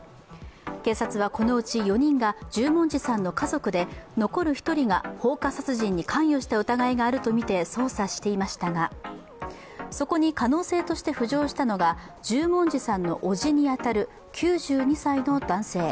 警察はこのうち４人が十文字さんの家族で残る１人が放火殺人に関与した疑いがあるとみて捜査していましたが、そこに可能性として浮上したのが十文字さんの伯父に当たる９２歳の男性。